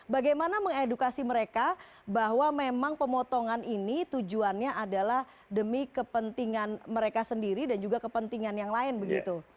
bagaimana mengedukasi mereka bahwa memang pemotongan ini tujuannya adalah demi kepentingan mereka sendiri dan juga kepentingan yang lain begitu